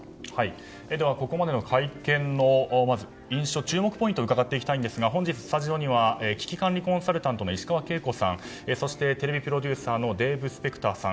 ここまでの会見の印象注目ポイントを伺っていきたいんですが本日、スタジオには危機管理コンサルタントの石川慶子さんそして、テレビプロデューサーのデーブ・スペクターさん